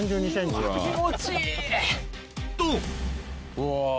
うわ。